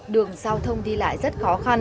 đường giao thông đi lại rất khó